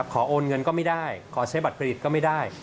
โอนเงินก็ไม่ได้ขอใช้บัตรผลิตก็ไม่ได้